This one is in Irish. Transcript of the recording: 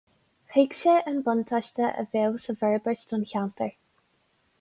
Thuig sé an buntáiste a bheadh sa bhforbairt don cheantar.